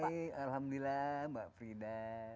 baik alhamdulillah mbak frida